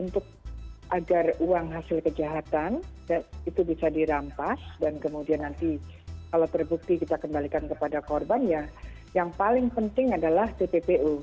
untuk agar uang hasil kejahatan itu bisa dirampas dan kemudian nanti kalau terbukti kita kembalikan kepada korban yang paling penting adalah tppu